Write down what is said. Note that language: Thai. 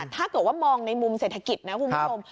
ถ้าเกิดว่ามองในมุมเศรษฐกิจนะคุณผู้ชม